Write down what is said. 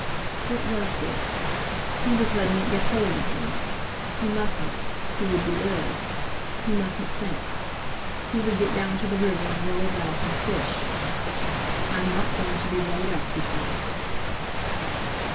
What was this? He was letting it get hold of him! He mustn't! He would be ill. He mustn't think! He would get down to the river and row about, and fish. "I'm not going to be laid up," he thought.